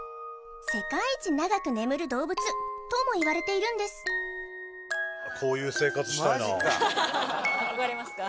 世界一長く眠る動物ともいわれているんです憧れますか？